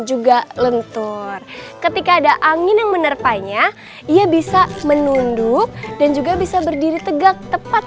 juga lentur ketika ada angin yang menerpanya ia bisa menunduk dan juga bisa berdiri tegak tepat